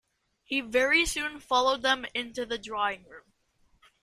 He very soon followed them into the drawing-room.